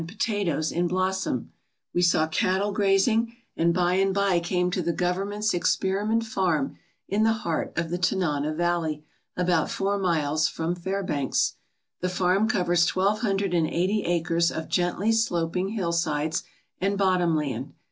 HOMESTEADING UNDER THE ARCTIC CIRCLE and by and by came to the Government's experiment farm in the heart of the Tanana valley, about four miles from Fairbanks. The farm covers twelve hundred and eighty acres of gently sloping hillsides and bottom land.